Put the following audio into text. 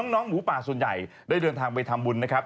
น้องหมูป่าส่วนใหญ่ได้เดินทางไปทำบุญนะครับ